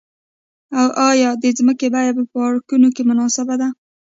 آیا د ځمکې بیه په پارکونو کې مناسبه ده؟